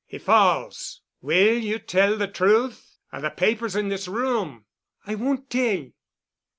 He falls—will you tell the truth? Are the papers in this room?" "I won't tell."